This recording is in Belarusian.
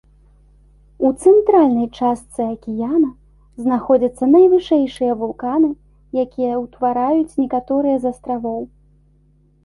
У цэнтральнай частцы акіяна знаходзяцца найвышэйшыя вулканы, якія ўтвараюць некаторыя з астравоў.